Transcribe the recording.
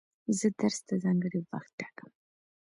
زه درس ته ځانګړی وخت ټاکم.